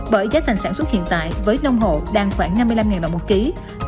bởi giá thành sản xuất hiện tại với nông hộ đang khoảng năm mươi năm đồng một ký